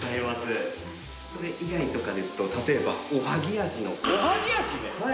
それ以外とかですと例えばおはぎ味のコンペイトー。